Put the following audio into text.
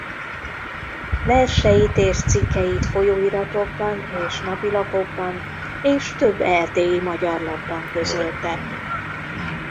Verseit és cikkeit folyóiratokban és napilapokban és több erdélyi magyar lapban közölte.